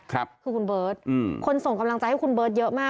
คือคุณเบิร์ตอืมคนส่งกำลังใจให้คุณเบิร์ตเยอะมาก